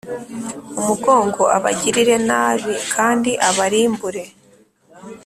umugongo abagirire nabi kandi abarimbure .